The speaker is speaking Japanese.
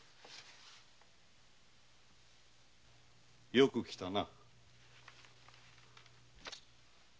よく来たな。